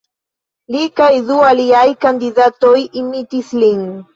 Li kaj du aliaj kandidatoj imitis lin.